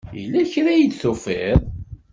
Yella kra ay d-tufiḍ?